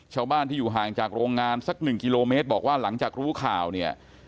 ชาวบ้านที่อยู่ห่างจากโรงงานสักหนึ่งกิโลเมตรบอกว่าหลังจากรู้ข่าวเนี่ย